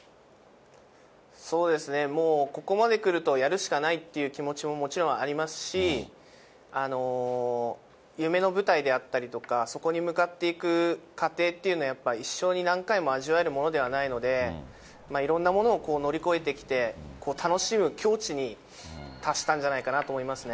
そうですね、もうここまでくるとやるしかないって気持ちももちろんありますし、夢の舞台であったりとか、そこに向かっていく過程っていうのは、やっぱ一生に何回も味わえるものではないので、いろんなものを乗り越えてきて、楽しむ境地に達したんじゃないかと思いますね。